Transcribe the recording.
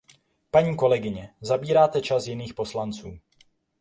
Paní kolegyně, zabíráte čas jiných poslanců.